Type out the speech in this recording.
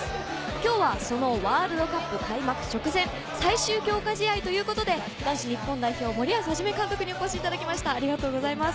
きょうはそのワールドカップ開幕直前最終強化試合ということで、男子日本代表・森保一監督にお越しいただきまして、ありがとうございます。